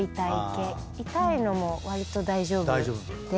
痛いのもわりと大丈夫で。